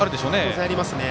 当然ありますね。